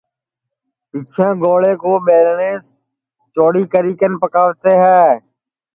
پیچھیں گوݪے کُو ٻیلٹؔیس چوڑی کری کن پکاوتے ہے